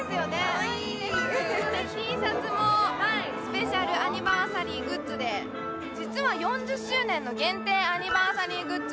かわいいＴシャツもスペシャルアニバーサリーグッズで実は４０周年の限定アニバーサリーグッズ